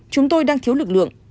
chúng tôi đang thiếu lực lượng